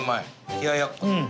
冷ややっこ。